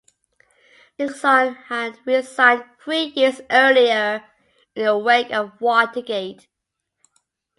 Nixon had resigned three years earlier, in the wake of Watergate.